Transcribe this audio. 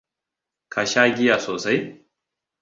Ka sha giya sosai?